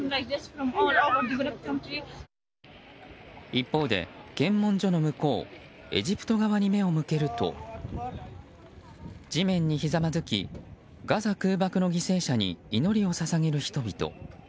一方で検問所の向こうエジプト側に目を向けると地面にひざまずきガザ空爆の犠牲者に祈りを捧げる人々。